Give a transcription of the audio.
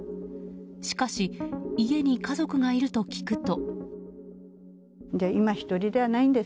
しかし、家に家族がいると聞くと。